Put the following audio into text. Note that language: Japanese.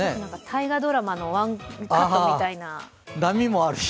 大河ドラマのワンカットみたいな。